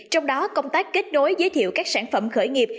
trong đó công tác kết nối giới thiệu các sản phẩm khởi nghiệp